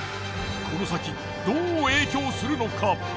この先どう影響するのか？